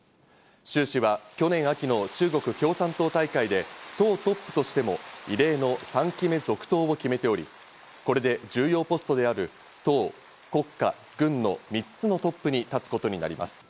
シュウ氏は、去年秋の中国共産党大会で党トップとしても異例の３期目続投を決めており、これで重要ポストである党、国家、軍の３つのトップに立つことになります。